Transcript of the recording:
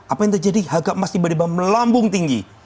apa yang terjadi harga emas tiba tiba melambung tinggi